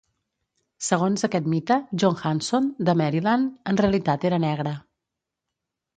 Segons aquest mite, John Hanson de Maryland en realitat era negre.